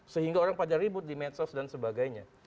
sehingga orang pada ribut di medsos dan sebagainya